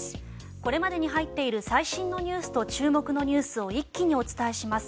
これまでに入っている最新ニュースと注目ニュースを一気にお伝えします。